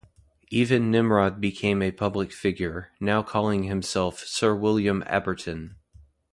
Even Nimrod became a public figure, now calling himself Sir William Abberton.